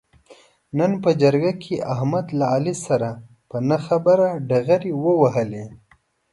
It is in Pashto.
نن په جرګه کې احمد له علي سره په نه خبره ډغرې و وهلې.